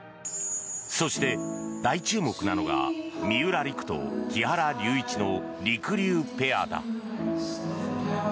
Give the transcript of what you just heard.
そして、大注目なのが三浦璃来と木原龍一のりくりゅうペアだ。